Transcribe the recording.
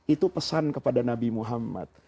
itu pesan kepada nabi muhammad